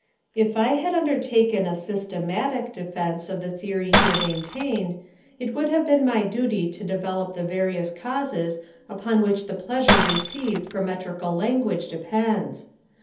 If I had undertaken a SYSTEMATIC defence of the theory here maintained, it would have been my duty to develop the various causes upon which the pleasure received from metrical language depends.